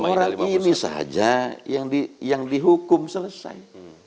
orang ini saja yang dihukum selesai